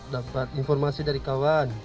dapat informasi dari kawan